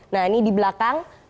nah ini di belakang